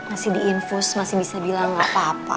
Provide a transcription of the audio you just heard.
masih diinfus masih bisa bilang gak apa apa